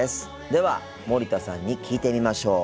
では森田さんに聞いてみましょう。